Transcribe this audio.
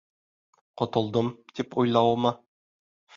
Ҡотолдом, тип уйлауымы?